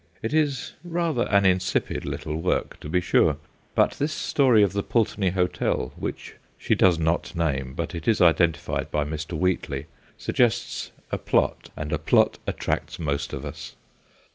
It is rather an insipid little work, to be sure, but this story of the Pulteney Hotel which she does not name, but it is identified by Mr. Wheatley sug gests a plot, and a plot attracts most of us.